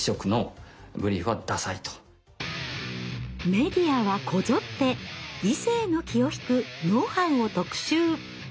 メディアはこぞって異性の気を引くノウハウを特集。